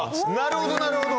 なるほどなるほど！